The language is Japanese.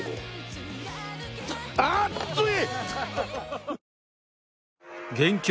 あっつい！